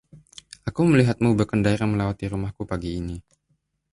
Aku melihatmu berkendara melewati rumahku pagi ini.